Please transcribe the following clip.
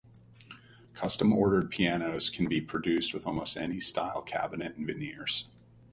Custom-ordered pianos can be produced with almost any style cabinet and veneers.